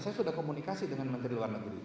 saya sudah komunikasi dengan menteri luar negeri